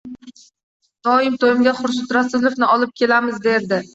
Doim to`yimga Xurshid Rasulovni olib kelamiz, derdi